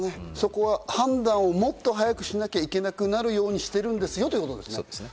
判断をもっと早くしなきゃいけなくなるようにしてるんですよということですね。